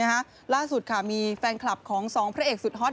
เนี้ยรักสุดค่ะมีแฟนคลับของ๒พระเอกสุดฮอด